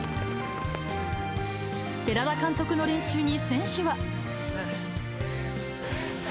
寺田監督の練習に選手は。